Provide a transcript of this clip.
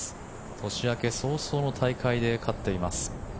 年明け早々の大会で勝っています。